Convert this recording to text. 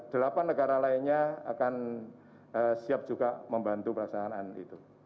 dan delapan negara lainnya akan siap juga membantu perasaan itu